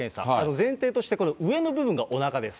前提として、これ、上の部分がおなかです。